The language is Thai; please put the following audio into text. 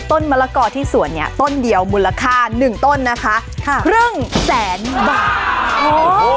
มะละกอที่สวนเนี่ยต้นเดียวมูลค่าหนึ่งต้นนะคะค่ะครึ่งแสนบาทโอ้โห